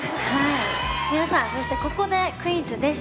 皆さん、ここでクイズです。